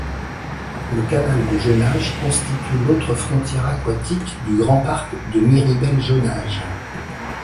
Le canal de Jonage constitue l'autre frontière aquatique du Grand parc de Miribel-Jonage.